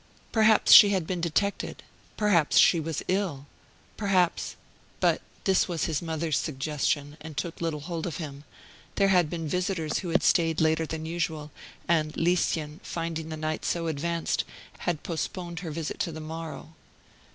Perhaps she had been detected; perhaps she was ill; perhaps but this was his mother's suggestion, and took little hold of him there had been visitors who had stayed later than usual, and Lieschen, finding the night so advanced, had postponed her visit to the morrow.